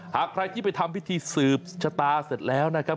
หากใครที่ไปทำพิธีสืบชะตาเสร็จแล้วนะครับ